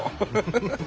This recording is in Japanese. ハハハ！